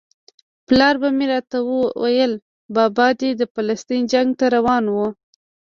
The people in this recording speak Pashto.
پلار به مې راته ویل بابا دې د فلسطین جنګ ته روان و.